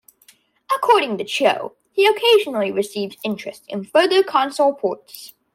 According to Cho, he occasionally receives interest in further console ports.